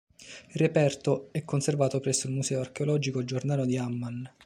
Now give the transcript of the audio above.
Il reperto è conservato presso il Museo archeologico giordano di Amman.